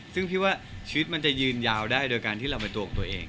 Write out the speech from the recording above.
ซึ่งพี่ว่าชีวิตมันจะยืนยาวได้โดยการที่เราเป็นตัวของตัวเอง